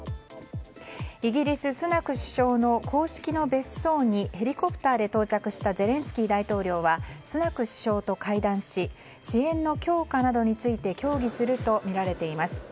イギリス、スナク首相の公式の別荘にヘリコプターで到着したゼレンスキー大統領はスナク首相と会談し支援の強化などについて協議するとみられています。